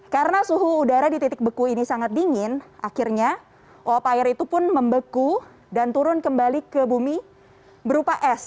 karena suhu udara di titik beku ini sangat dingin akhirnya uap air itu pun membeku dan turun kembali ke bumi berupa es